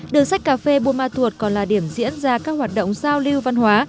đường sách cà phê buôn ma thuột còn là điểm diễn ra các hoạt động giao lưu văn hóa